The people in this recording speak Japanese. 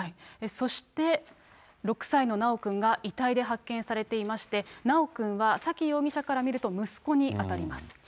そして、６歳の修くんが遺体で発見されていまして、修くんは沙喜容疑者から見ると息子に当たります。